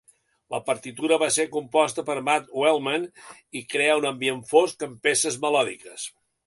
La partitura va ser composta per Matt Uelmen i crea un ambient fosc amb peces melòdiques.